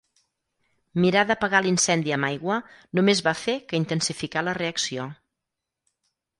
Mirar d'apagar l'incendi amb aigua només va fer que intensificar la reacció.